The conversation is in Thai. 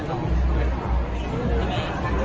ตอบเลยว่า